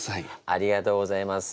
ありがとうございます。